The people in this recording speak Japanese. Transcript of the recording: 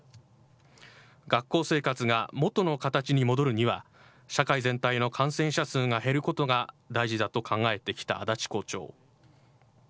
学校生活が元の形に戻るには、社会全体の感染者数が減ることが大事だと考えてきた足立校長。